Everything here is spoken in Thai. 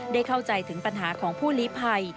ได้เข้าใจถึงปัญหาของผู้ลีภัย